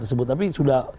tersebut tapi sudah